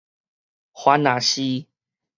凡若是